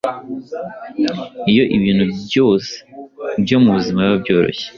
Iyo ibintu byose byo mu buzima biba byoroshye,